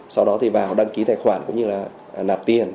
sau đó thì bảo đăng ký tài khoản cũng như là nạp tiền